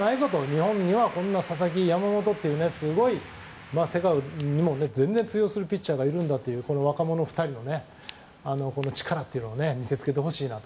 日本には、佐々木、山本というすごい、世界にも通用するピッチャーがいるんだというこの若者２人の力というのを見せつけてほしいなと。